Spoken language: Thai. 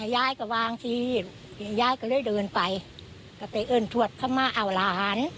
ยายก็วางทียายก็เลยเดินไปก็ไปเอิ้นถวดเข้ามาเอาหลาน